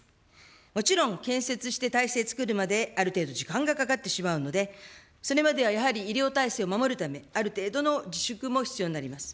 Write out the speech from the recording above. もちろん、建設して体制を作るまで、ある程度時間がかかってしまうので、それまではやはり医療体制を守るため、ある程度の自粛も必要になります。